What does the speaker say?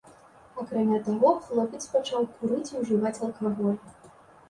Акрамя таго, хлопец пачаў курыць і ўжываць алкаголь.